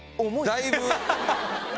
だいぶ。